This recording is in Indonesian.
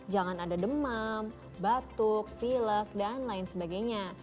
jangan ada demam batuk pilek dan lain sebagainya